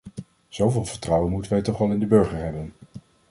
Zoveel vertrouwen moeten wij toch wel in de burger hebben.